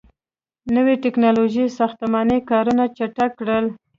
• نوي ټیکنالوژۍ ساختماني کارونه چټک کړل.